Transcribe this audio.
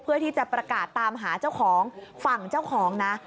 เพื่อที่จะประกาศตามหาเจ้าของฝั่งเจ้าของนะ